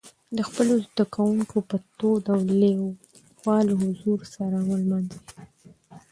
د خپلو زدهکوونکو په تود او لېوال حضور سره ونمانځلي.